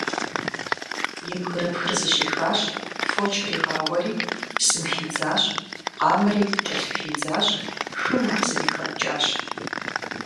И бгырыпхыр зыщӀихащ, фочыр игъауэри, псым хидзащ, къамэри кӀэлъыхидзащ хым, езыри хэпкӀащ.